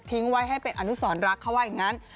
ไว้ให้เป็นอนุสรรักเขาว่าอย่างนั้น